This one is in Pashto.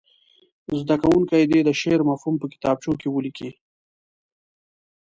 زده کوونکي دې د شعر مفهوم په کتابچو کې ولیکي.